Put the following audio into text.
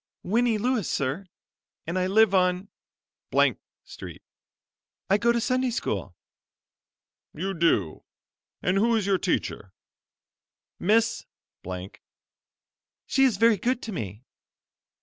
"Winnie Lewis sir, and I live on Street. I go to Sunday school." "You do; and who is your teacher?" "Miss . She is very good to me."